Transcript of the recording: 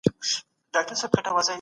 ته داسي څوک راوښيه چي نفقه ئې حلاله وي